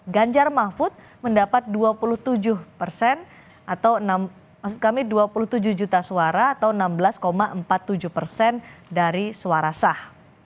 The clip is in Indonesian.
ganjar mahfud mendapat dua puluh tujuh juta suara atau enam belas empat puluh tujuh persen dari suara sah